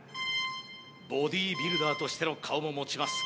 ボディビルダーとしての顔も持ちます